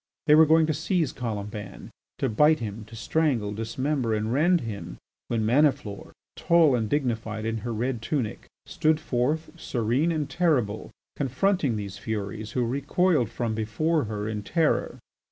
They were going to seize Colomban, to bite him, to strangle, dismember and rend him, when Maniflore, tall and dignified in her red tunic, stood forth, serene and terrible, confronting these furies who recoiled from before her in terror.